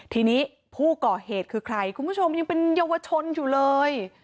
ทีนี้ผู้ก่อเหตุคือใครคุณผู้ชมยังเป็นเยาวชนอยู่เลย